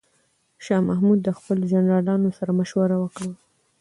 شاه محمود د خپلو جنرالانو سره مشوره وکړه.